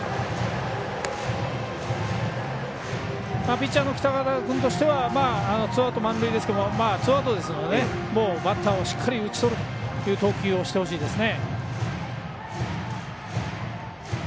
ピッチャーの北方君としてはツーアウト、満塁ですけどツーアウトなのでもうバッターをしっかり打ち取る投球をしてほしいですね。